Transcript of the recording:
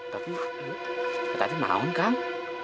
tapi tadi maun kang